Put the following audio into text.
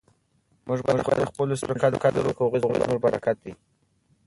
موږ باید د خپلو سپین ږیرو قدر وکړو ځکه هغوی زموږ برکت دی.